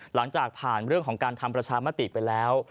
หลังจากผ่านเรื่องของการทำประชามติไปแล้ว